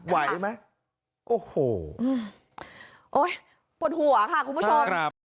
ไหวไหมโอ้โหโอ๊ยปวดหัวค่ะคุณผู้ชมครับ